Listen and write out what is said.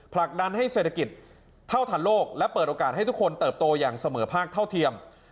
ผลักดันให้เศรษฐกิจเท่าทันโลกและเปิดโอกาสให้ทุกคนเติบโตอย่างเสมอภาคเท่าเทียม